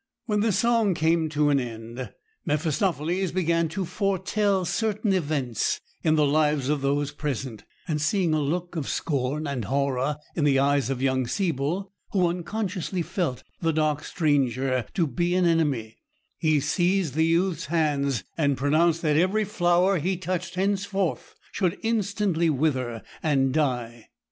When the song came to an end, Mephistopheles began to foretell certain events in the lives of those present, and seeing a look of scorn and horror in the eyes of young Siebel, who unconsciously felt the dark stranger to be an enemy, he seized the youth's hand, and pronounced that every flower he touched henceforth should instantly wither and die.